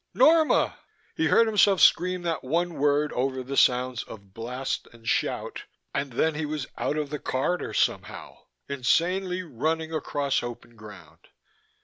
"Norma!" He heard himself scream that one word over the sounds of blast and shout, and then he was out of the corridor, somehow, insanely, running across open ground.